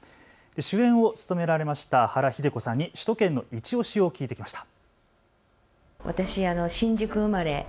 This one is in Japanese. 主演を務められました原日出子さんに首都圏のいちオシを聞いてきました。